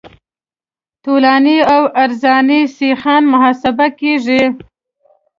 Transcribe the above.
طولاني او عرضاني سیخان محاسبه کیږي